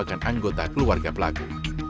anggota keluarga pelaku